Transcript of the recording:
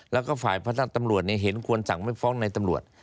แล้วก็ฝ่ายพนักตำรวจเห็นควรสั่งไม่ฟ้องในตำรวจ